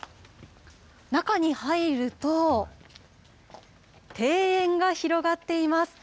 中に入ると、庭園が広がっています。